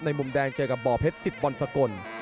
มุมแดงเจอกับบ่อเพชร๑๐บอลสกล